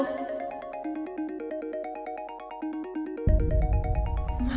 apa lagi sih syahnaz telpon aku